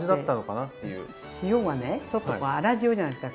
塩がねちょっと粗塩じゃないですか。